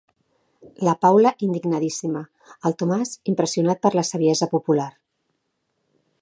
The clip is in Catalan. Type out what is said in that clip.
La Paula indignadíssima, el Tomàs impressionat per la saviesa popular.